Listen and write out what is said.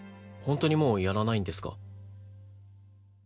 本当にもうやらないんですか？